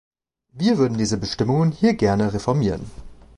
Wir würden diese Bestimmungen hier gerne reformieren.